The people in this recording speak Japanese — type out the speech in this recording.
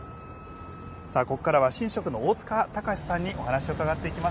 さあ、ここからは神職の大塚高史さんにお話を伺っていきます。